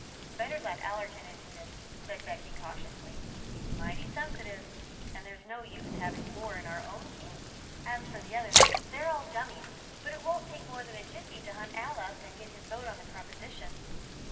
"Better let Allerton into this," said Becky cautiously. "He's mighty sensitive and there's no use having war in our own camp. As for the others, they're all dummies; but it won't take more than a jiffy to hunt Al up and get his vote on the proposition."